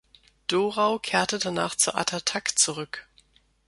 Dorau kehrte danach zu Ata Tak zurück.